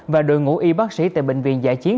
và đội ngũ y bác sĩ tại bệnh viện giã chiến